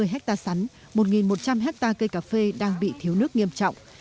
hai mươi hectare sắn một một trăm linh hectare cây cà phê đang bị thiếu nước nghiêm trọng